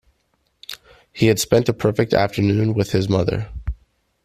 He had spent a perfect afternoon with his mother.